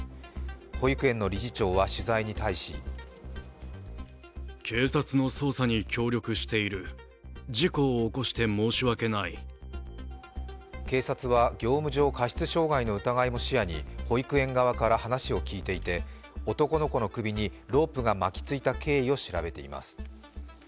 保育園の理事長は取材に対し警察は業務上過失傷害の疑いも視野に保育園側から話を聞いていて男の子の首にロープが巻き付いた経緯を調べています。